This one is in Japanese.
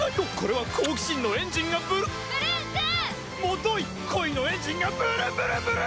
もとい恋のエンジンがブルンブルンブルン！